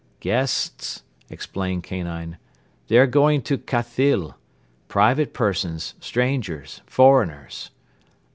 "Guests ..." explained Kanine. "They are going to Khathyl. Private persons, strangers, foreigners